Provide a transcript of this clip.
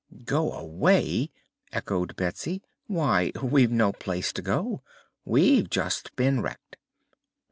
"Go away!" echoed Betsy. "Why, we've no place to go. We've just been wrecked."